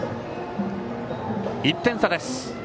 １点差です。